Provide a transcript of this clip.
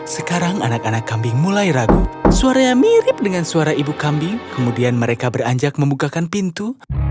sekarang anak anak kambing mulai ragu suara yang mirip dengan suara ibu kambing kemudian mereka beranjak membukakan pintu